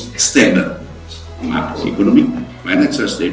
indonesia adalah salah satu ekonomi ekonomi yang paling berkembang